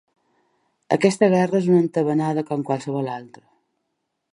Aquesta guerra és una entabanada com qualsevol altra